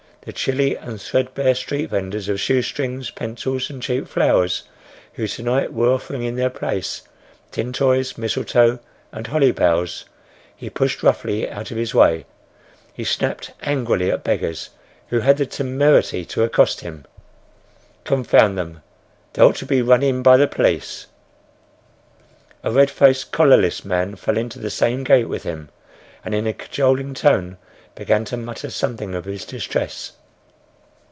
The chilly and threadbare street venders of shoe strings, pencils and cheap flowers, who to night were offering in their place tin toys, mistletoe and holly boughs, he pushed roughly out of his way; he snapped angrily at beggars who had the temerity to accost him. "Confound them! They ought to be run in by the police!" A red faced, collarless man fell into the same gait with him, and in a cajoling tone began to mutter something of his distress.